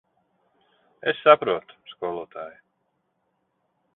Es saprotu, skolotāj.